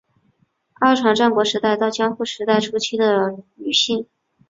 阿船战国时代到江户时代初期的女性。